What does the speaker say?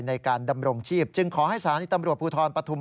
ในการดำรงชีพจึงขอให้สาธิตตำรวจพูทรปฐมราชวงศาสตร์